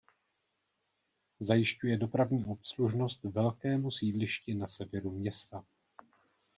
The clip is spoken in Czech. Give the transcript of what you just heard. Zajišťuje dopravní obslužnost velkému sídlišti na severu města.